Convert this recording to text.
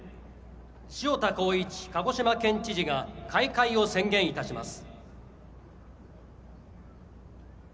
塩田康一鹿児島県知事が開会を宣言いたします。